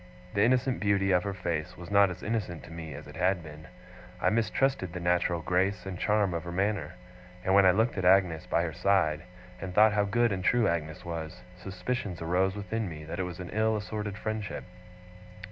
The innocent beauty of her face was not as innocent to me as it had been; I mistrusted the natural grace and charm of her manner; and when I looked at Agnes by her side, and thought how good and true Agnes was, suspicions arose within me that it was an ill assorted friendship.